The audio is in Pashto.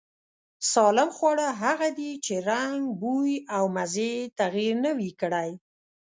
سالم خواړه هغه دي چې رنگ، بوی او مزې يې تغير نه وي کړی.